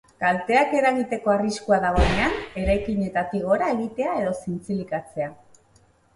Kalteak eragiteko arriskua dagoenean, eraikinetatik gora egitea edo zintzilikatzea.